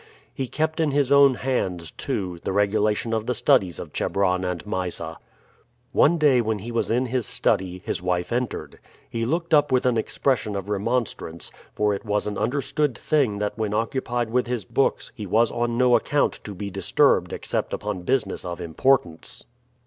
He kept in his own hands, too, the regulation of the studies of Chebron and Mysa. One day when he was in his study his wife entered. He looked up with an expression of remonstrance, for it was an understood thing that when occupied with his books he was on no account to be disturbed except upon business of importance.